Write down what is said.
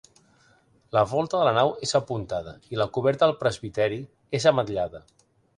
La volta de la nau és apuntada, i la coberta del presbiteri és ametllada.